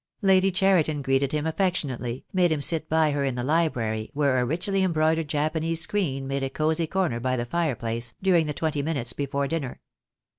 Lady Cheriton greeted him affectionately, made him 2 go THE DAY WILL COME. sit by her in the library, where a richly embroidered Japanese screen made a cosy corner by the fireplace, during the twenty minutes before dinner.